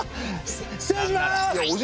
失礼します！